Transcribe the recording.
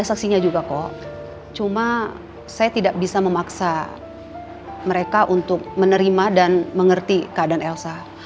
saya tidak bisa memaksa mereka untuk menerima dan mengerti keadaan elsa